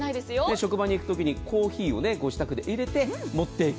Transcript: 職場に行く時にコーヒーをご自宅で入れて持っていく。